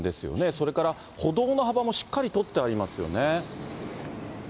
それから、歩道の幅もしっかり取ってありますよね。